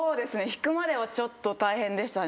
引くまではちょっと大変でしたね。